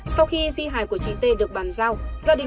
sau khi di hài của chị tê được bàn giao